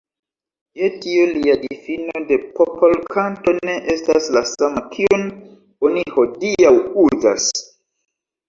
Je tio lia difino de popolkanto ne estas la sama, kiun oni hodiaŭ uzas.